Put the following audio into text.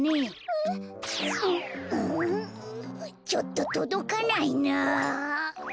ちょっととどかないな。